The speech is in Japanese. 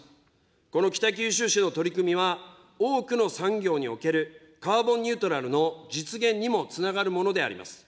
この北九州市の取り組みは、多くの産業におけるカーボンニュートラルの実現にもつながるものであります。